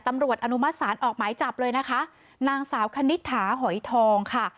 อนุมัติศาลออกหมายจับเลยนะคะนางสาวคณิตถาหอยทองค่ะ